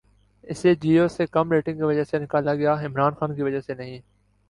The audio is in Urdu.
اسے جیو سے کم ریٹننگ کی وجہ سے نکالا گیا، عمران خان کی وجہ سے نہیں